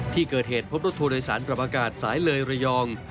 ที่เกิดเหตุพบรถทัวร์โดยสารปรับอากาศสายเลยระยอง